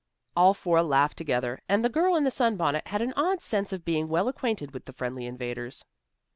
All four laughed together, and the girl in the sunbonnet had an odd sense of being well acquainted with the friendly invaders.